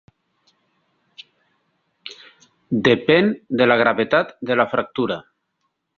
Depèn de la gravetat de la fractura.